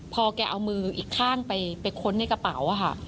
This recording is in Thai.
พอแกเอามืออีกข้างไปค้นในกระเป๋าค่ะ